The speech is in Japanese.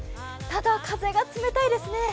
ただ、風が冷たいですね。